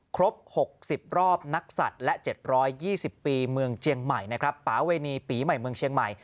ครบหกสิบรอบนักศัตริย์และเจ็ดร้อยยี่สิบปีเมืองเชียงใหม่นะครับปาเวณีปีใหม่เมืองเชียงใหม่